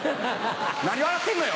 何笑ってんのよ。